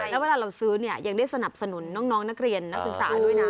แล้วเวลาเราซื้อเนี่ยยังได้สนับสนุนน้องนักเรียนนักศึกษาด้วยนะ